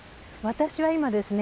私は今ですね